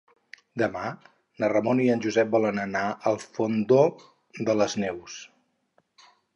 Demà na Ramona i en Josep volen anar al Fondó de les Neus.